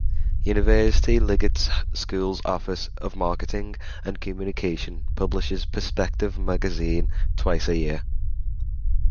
University Liggett School's Office of Marketing and Communications publishes Perspective magazine twice a year.